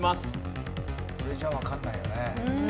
これじゃあわかんないよね。